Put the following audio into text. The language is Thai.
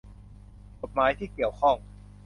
กฎหมายที่เกี่ยวข้อง